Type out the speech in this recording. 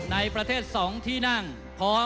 ท่านแรกครับจันทรุ่ม